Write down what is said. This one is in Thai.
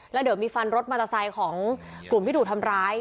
แล้วเดี๋ยวมีฟันรถมอเตอร์ไซค์ของกลุ่มที่ถูกทำร้าย